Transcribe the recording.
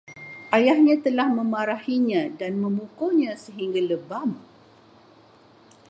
Ayahnya telah memarahinya dan memukulnya sehingga lebam